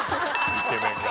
イケメンが。